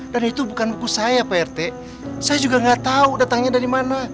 dan itu bukan buku saya pak rt saya juga gak tau datangnya dari mana